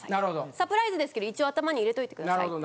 サプライズですけど一応頭に入れといてくださいって。